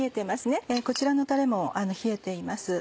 こちらのたれも冷えています。